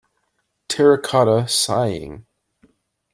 Terracotta Sighing.